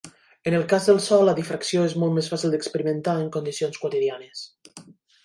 En el cas del so la difracció és molt més fàcil d'experimentar en condicions quotidianes.